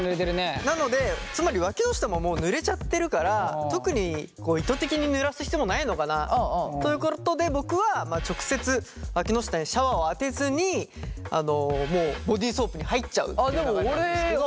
なのでつまりわきの下ももうぬれちゃってるから特に意図的にぬらす必要もないのかなということで僕はまあ直接わきの下にシャワーを当てずにもうボディーソープに入っちゃうっていう流れなんですけど。